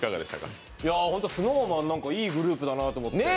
ＳｎｏｗＭａｎ、いいグループだなと思って。